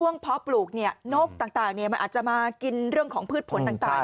เพาะปลูกนกต่างมันอาจจะมากินเรื่องของพืชผลต่าง